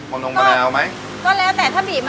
ก็แล้วแต่ถ้าบีบมะนาวลงไปสักชิ้นนึงมันจะหอม